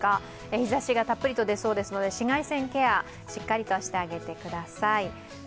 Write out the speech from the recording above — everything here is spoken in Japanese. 日ざしがたっぷりと出そうですので紫外線ケア、しっかりとしてあげてください。